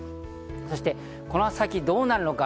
そして、この先どうなるのか。